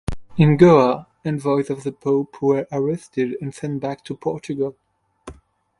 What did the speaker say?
In Goa, envoys of the Pope were arrested and sent back to Portugal.